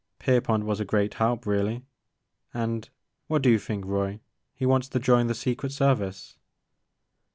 Pierpont was a great help, really, — and, what do you think, Roy ? He wants to join the Secret Service